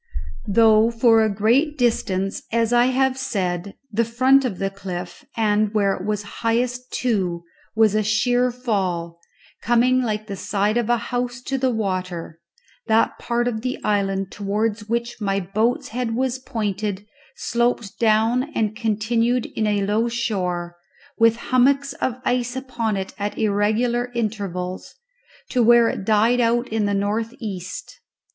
Though for a great distance, as I have said, the front of the cliff, and where it was highest too, was a sheer fall, coming like the side of a house to the water, that part of the island towards which my boat's head was pointed sloped down and continued in a low shore, with hummocks of ice upon it at irregular intervals, to where it died out in the north east.